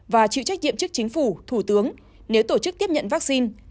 và chịu trách nhiệm trước chính phủ thủ tướng nếu tổ chức tiếp nhận vaccine